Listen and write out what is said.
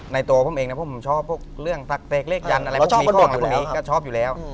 ในตัวพวกมันเองเนี่ยพวกมันชอบพวกเรื่องสักเตรกเลขจันทร์อะไรพวกมันมีข้องอะไรพวกมันมีก็ชอบอยู่แล้ว